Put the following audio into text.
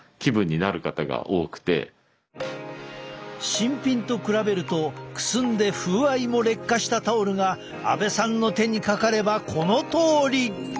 新品と比べるとくすんで風合いも劣化したタオルが阿部さんの手にかかればこのとおり！